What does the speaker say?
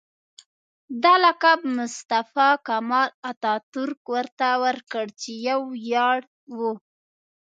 دا لقب مصطفی کمال اتاترک ورته ورکړ چې یو ویاړ و.